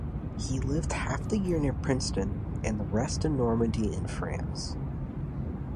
He lived half the year near Princeton, and the rest in Normandy in France.